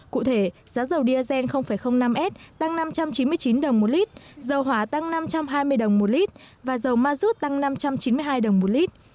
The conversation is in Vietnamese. cụ thể giá dầu diesel năm s tăng năm trăm chín mươi chín đồng một lít dầu hỏa tăng năm trăm hai mươi đồng một lít và dầu ma rút tăng năm trăm chín mươi hai đồng một lít